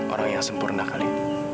orang yang sempurna kali